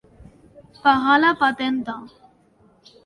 Pagar la patenta.